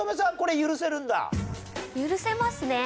許せますね。